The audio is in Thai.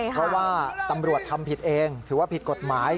เพราะว่าตำรวจทำผิดเองถือว่าผิดกฎหมาย